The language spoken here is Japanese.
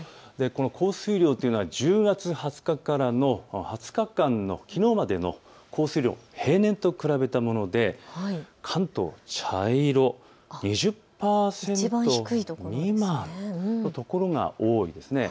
降水量というのは１０月２０日からの２０日間のきのうまでの降水量平年と比べたもので関東、茶色、２０％未満の所が多いですね。